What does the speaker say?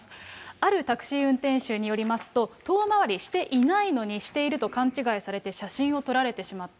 あるタクシー運転手によりますと、遠回りしていないのにしていると勘違いされて写真を撮られてしまった。